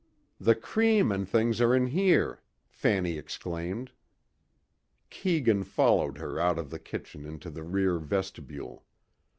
"The cream and things are in here," Fanny exclaimed. Keegan followed her out of the kitchen into the rear vestibule.